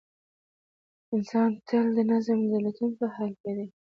انسان تل د نظم د لټون په حال کې دی.